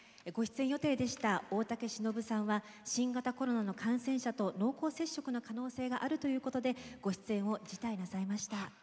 ご出演予定でした大竹しのぶさんは新型コロナの感染者と濃厚接触の可能性があるということでご出演を辞退なさいました。